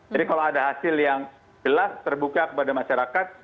jadi kalau ada hasil yang jelas terbuka kepada masyarakat